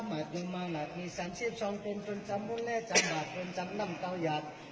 มาตุมันหลักมีสัญชีพชองตินจนจำมุนและจำบาดจนจำน้ำเกาหยัด